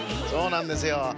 そうなんですよ。